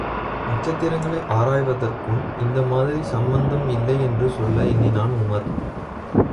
நட்சத்திரங்களை ஆராய்வதற்கும் இந்த மாதிரி சம்பந்தமும் இல்லை என்று சொல்ல எண்ணினான் உமார்.